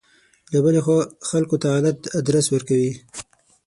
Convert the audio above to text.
له بلې خوا خلکو ته غلط ادرس ورکوي.